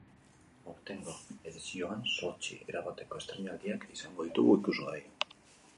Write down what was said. Aurtengo edizioan zortzi erabateko estreinaldiak izango ditugu ikusgai.